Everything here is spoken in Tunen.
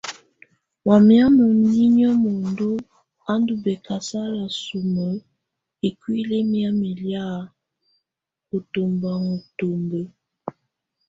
Wamɛ̀á munyinyǝ muǝndu á ndù bɛkasala sumǝ ikuili mɛ̀amɛ lɛ̀á ù tubaŋa ntumbǝ.